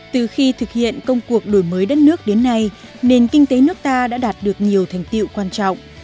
từ khi thực hiện công cuộc đổi mới đất nước đến nay nền kinh tế nước ta đã đạt được nhiều thành tiệu quan trọng